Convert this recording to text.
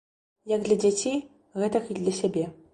Як для дзяцей, гэтак і для сябе.